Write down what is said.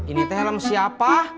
ini teh helm siapa